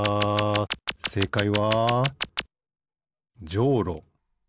せいかいはじょうろ。